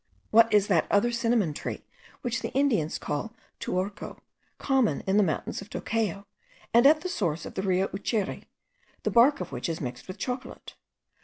What is that other cinnamon tree which the Indians call tuorco, common in the mountains of Tocayo, and at the sources of the Rio Uchere, the bark of which is mixed with chocolate?